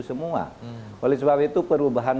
semua oleh sebab itu perubahan